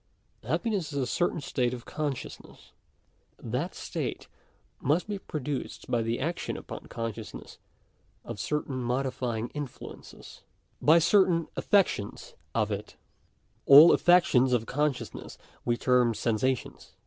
Happiness is a certain state of consciousness. That state must be produced by the action upon consciousness of certain modifying influences — by certain affections of it All affec tions of consciousness we term sensations.